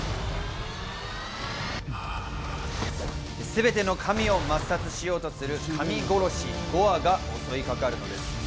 すべての神を抹殺しようとする神殺し・ゴアが襲いかかるのです。